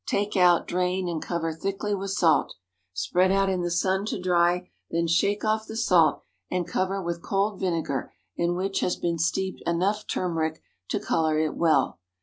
Take out, drain, and cover thickly with salt. Spread out in the sun to dry; then shake off the salt, and cover with cold vinegar in which has been steeped enough turmeric to color it well.